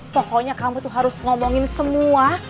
pokoknya kamu tuh harus ngomongin semua